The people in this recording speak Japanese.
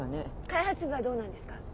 開発部はどうなんですか？